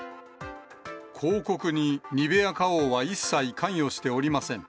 広告にニベア花王は一切関与しておりません。